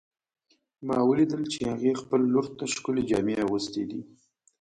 ما ولیدل چې هغې خپل لور ته ښکلې جامې اغوستې دي